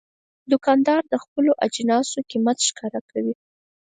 دوکاندار د خپلو اجناسو قیمت ښکاره کوي.